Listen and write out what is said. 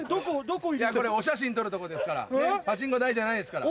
これお写真撮るとこですからパチンコ台じゃないですから。